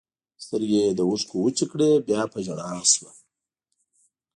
سترګې یې له اوښکو وچې کړې، بیا په ژړا شوه.